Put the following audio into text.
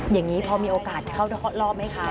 อย่างนี้พอมีโอกาสเข้ารอบไหมคะ